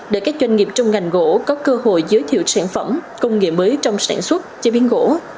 để các doanh nghiệp trong ngành gỗ có cơ hội giới thiệu sản phẩm công nghệ mới trong sản xuất chế biến gỗ